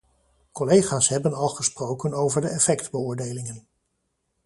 Collega's hebben al gesproken over de effectbeoordelingen.